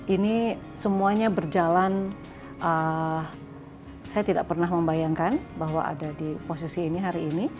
ini semuanya berjalan saya tidak pernah membayangkan bahwa ada di posisi ini hari ini